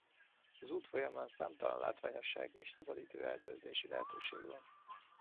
Az út folyamán számtalan látványosság és szabadidő eltöltési lehetőség van.